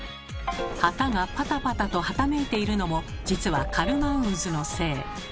旗がパタパタとはためいているのも実はカルマン渦のせい。